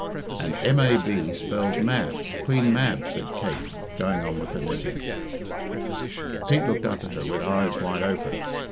"And M A B spells Mab Queen Mab," said Kate, going on with her knitting. Pete looked up at her with eyes wide open.